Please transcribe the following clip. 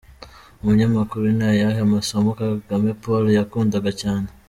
Umunyamakuru: Ni ayahe masomo Kagame Paul yakundaga cyane?.